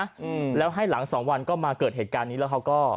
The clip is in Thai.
อืมแล้วให้หลังสองวันก็มาเกิดเหตุการณ์นี้แล้วเขาก็